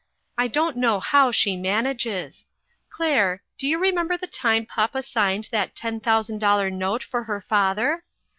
I don't know how she manages. Claire, do you remember the time papa signed that ten thousand dol lar note for her father?